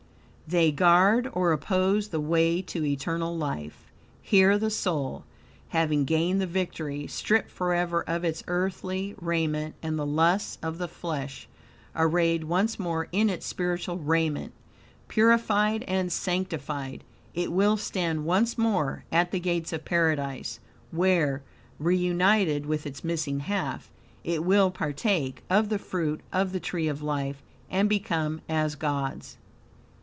They guard or oppose the way to eternal life. Here the soul, having gained the victory, stripped forever of its earthy raiment and the lusts of the flesh, arrayed once more in its spiritual raiment, purified and sanctified, it will stand once more at the gates of Paradise, where, reunited with its missing half, it will partake of the fruit of the Tree of Life and become as Gods.